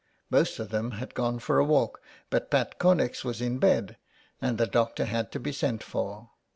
Most of them had gone for a walk, but Pat Connex was in bed, and the doctor had to be sent for.